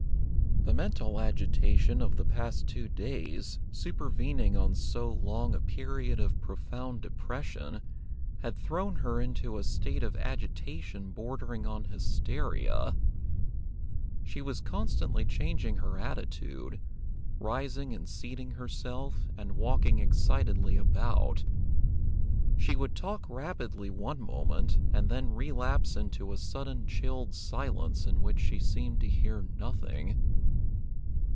The mental agitation of the past two days, supervening on so long a period of profound depression, had thrown her into a state of agitation bordering on hysteria. She was constantly changing her attitude, rising and seating herself, and walking excitedly about. She would talk rapidly one moment, and then relapse into a sudden chilled silence in which she seemed to hear nothing.